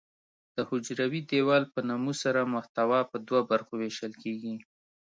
د حجروي دیوال په نمو سره محتوا په دوه برخو ویشل کیږي.